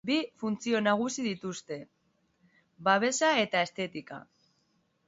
Bi funtzio nagusi dituzte: babesa eta estetika.